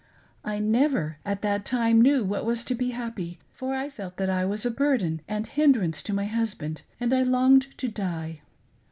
I never, at that time, knew what it was to be happy, for I felt that I was a burden and hindrance to my husband and I longed to die.